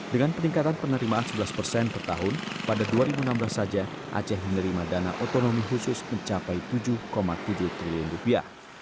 dengan peningkatan penerimaan sebelas persen per tahun pada dua ribu enam belas saja aceh menerima dana otonomi khusus mencapai tujuh tujuh triliun rupiah